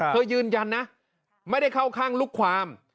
ยืนยันนะไม่ได้เข้าข้างลูกความ